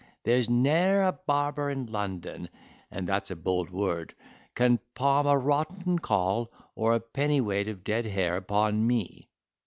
There's ne'er a barber in London (and that's a bold word) can palm a rotten caul, or a pennyweight of dead hair, upon me."